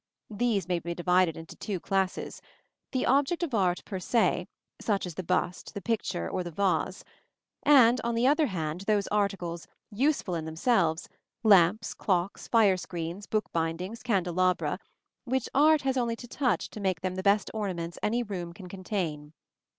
These may be divided into two classes: the object of art per se, such as the bust, the picture, or the vase; and, on the other hand, those articles, useful in themselves, lamps, clocks, fire screens, bookbindings, candelabra, which art has only to touch to make them the best ornaments any room can contain.